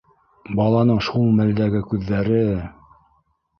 Баланың шул мәлдәге күҙҙәре!